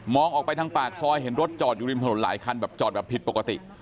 ออกไปทางปากซอยเห็นรถจอดอยู่ริมถนนหลายคันแบบจอดแบบผิดปกติ